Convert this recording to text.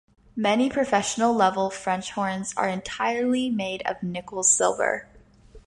Many professional-level French horns are entirely made of nickel silver.